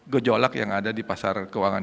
gejolak yang ada di pasar keuangan